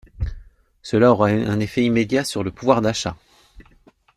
Cela aura un effet immédiat sur le pouvoir d’achat.